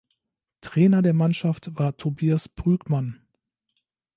Trainer der Mannschaft war Tobias Brügmann.